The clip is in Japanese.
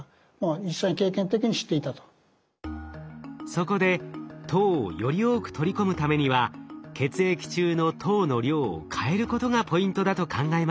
そこで糖をより多く取り込むためには血液中の糖の量を変えることがポイントだと考えました。